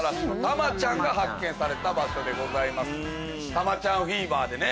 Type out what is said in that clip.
タマちゃんフィーバーでね。